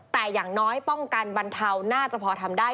แต่อย่างน้อยป้องกันบรรเทาน่าจะพอทำได้